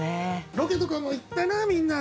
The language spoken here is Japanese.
ロケとかも行ったなみんなで。